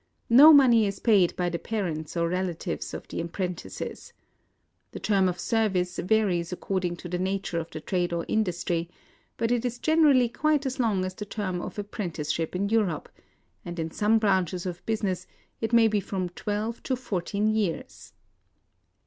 No money is paid by the parents or relatives of the apprentices. The term of service varies according to the nature of the trade or industry ; but it is gen erally quite as long as the term of apprentice ship in Europe ; and ip some branches of 148 IN OSAKA business it may be from twelve to fourteen years.